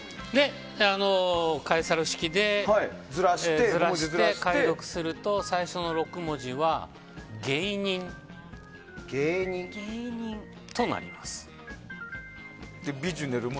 カエサル式でずらして解読すると最初の６文字はＧＥＩＮＩＮとなります。